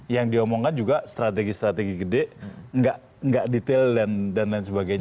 yang diomongkan juga strategi strategi gede nggak detail dan lain sebagainya